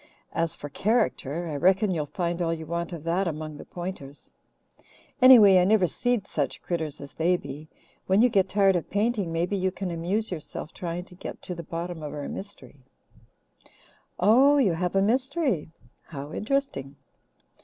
As for 'character,' I reckon you'll find all you want of that among the Pointers; anyway, I never seed such critters as they be. When you get tired of painting, maybe you can amuse yourself trying to get to the bottom of our mystery." "Oh, have you a mystery? How interesting!"